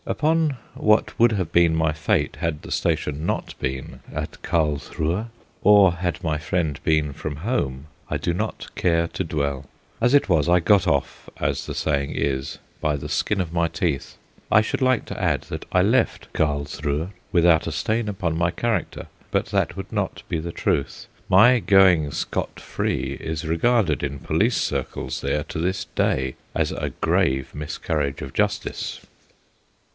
Upon what would have been my fate had the station not been at Carlsruhe, or had my friend been from home, I do not care to dwell; as it was I got off, as the saying is, by the skin of my teeth. I should like to add that I left Carlsruhe without a stain upon my character, but that would not be the truth. My going scot free is regarded in police circles there to this day as a grave miscarriage of justice.